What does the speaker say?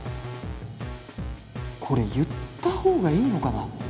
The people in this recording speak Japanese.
これ言った方がいいのかな？